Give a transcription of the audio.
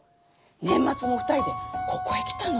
年末も２人でここへ来たのよ。